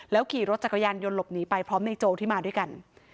ขี่รถจักรยานยนต์หลบหนีไปพร้อมในโจที่มาด้วยกัน